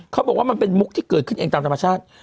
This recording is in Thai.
เขาบอกว่ามันเป็นมุกที่เกิดขึ้นเองตามธรรมชาติ